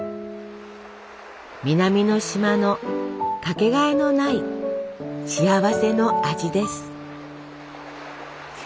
南の島の掛けがえのない幸せの味です。